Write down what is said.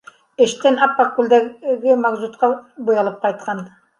Эштән ап-аҡ күлдәге мазутҡа буялып ҡайтҡан.